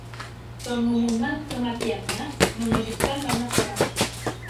Pengumuman kematiannya mengejutkan banyak orang.